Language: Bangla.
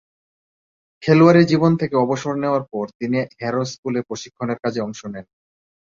খেলোয়াড়ী জীবন থেকে অবসর নেয়ার পর তিনি হ্যারো স্কুলে প্রশিক্ষণের কাজে অংশ নেন।